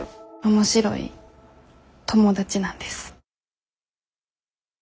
面白い友達なんです。